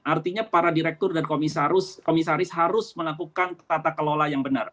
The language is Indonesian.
artinya para direktur dan komisaris harus melakukan tata kelola yang benar